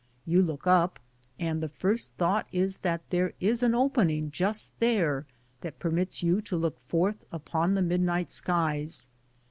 You look up, and the first thought is that there is an opening just there that permits you to look forth upon the midnight skies.